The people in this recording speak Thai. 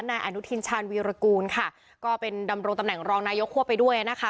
นายอนุทินชาญวีรกูลค่ะก็เป็นดำรงตำแหน่งรองนายกคั่วไปด้วยนะคะ